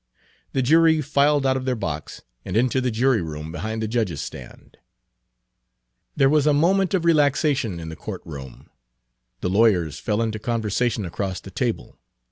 The jury filed out of their box, and into the jury room behind the judge's stand. Page 305 There was a moment of relaxation in the court room. The lawyers fell into conversation across the table.